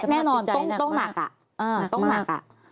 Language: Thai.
แน่นอนต้องหลักอ่ะต้องหลักอ่ะ